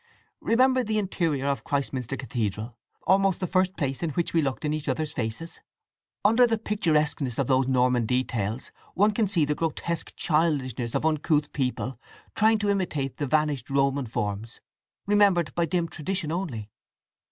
Remember the interior of Christminster Cathedral—almost the first place in which we looked in each other's faces. Under the picturesqueness of those Norman details one can see the grotesque childishness of uncouth people trying to imitate the vanished Roman forms, remembered by dim tradition only."